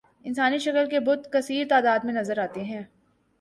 انسانی شکل کے بت کثیر تعداد میں نظر آتے ہیں